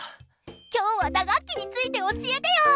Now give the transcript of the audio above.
今日は打楽器について教えてよ！